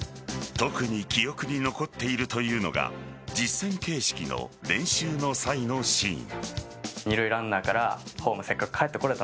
特に記憶に残っているというのが実戦形式の練習の際のシーン。